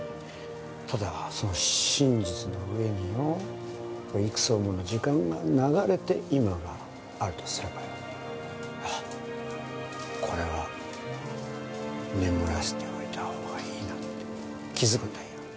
ただその真実の上によ幾層もの時間が流れて今があるとすればよああこれは眠らせておいたほうがいいなって気づくんだよ